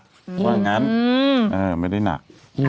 ต้องว่างั้นไม่ได้หนัก